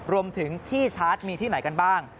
รวมถึงที่ชาร์จมีที่ไหนกันบ้าง